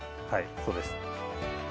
はいそうです。